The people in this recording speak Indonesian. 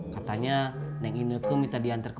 katanya neng ineke minta diantar ke